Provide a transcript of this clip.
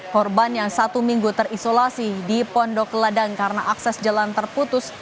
korban yang satu minggu terisolasi di pondok ladang karena akses jalan terputus